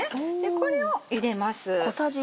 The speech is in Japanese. これを入れます。